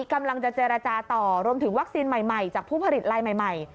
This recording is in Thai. กำลังจะเจรจาต่อรวมถึงวัคซีนใหม่จากผู้ผลิตลายใหม่